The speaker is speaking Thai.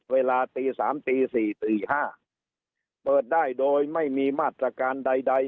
เวลาตีสามตีสี่ตีห้าเปิดได้โดยไม่มีมาตรการใดใด